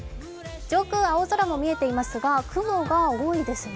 上空、青空も見えていますが、雲も多いんですね。